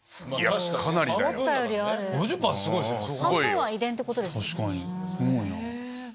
半分は遺伝ってことですね。